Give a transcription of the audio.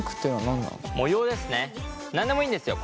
何でもいいんですよ